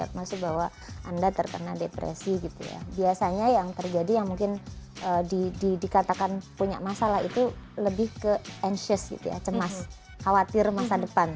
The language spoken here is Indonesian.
karena mereka sudah pernah mengatakan bahwa anda terkena depresi gitu ya biasanya yang terjadi yang mungkin di di dikatakan punya masalah itu lebih ke anxious gitu ya cemas khawatir masa depan